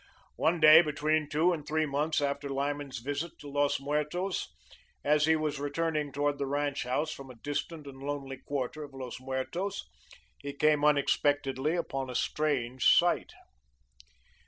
One day, between two and three months after Lyman s visit to Los Muertos, as he was returning toward the ranch house from a distant and lonely quarter of Los Muertos, he came unexpectedly upon a strange sight.